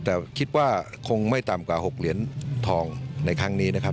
แต่คิดว่าคงไม่ต่ำกว่า๖เหรียญทองในครั้งนี้นะครับ